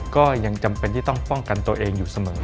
ก็ยังจำเป็นที่ต้องป้องกันตัวเองอยู่เสมอ